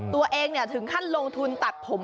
ตัวเองถึงขั้นลงทุนตัดผม